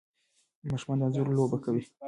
ماشومان د انځورونو لوبه کوي.